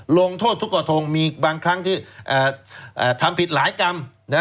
ลงโทษทุกกระทงมีบางครั้งที่ทำผิดหลายกรรม